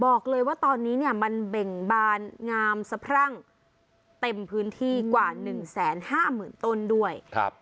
บอกเลยว่าตอนนี้เนี่ยมันเบ่งบานงามสะพรั่งเต็มพื้นที่กว่า๑๕๐๐๐ต้นด้วย